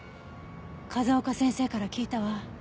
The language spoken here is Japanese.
風丘先生から聞いたわ。